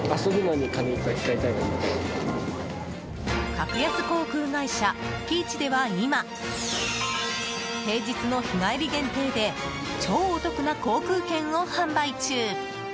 格安航空会社ピーチでは今、平日の日帰り限定で超お得な航空券を販売中。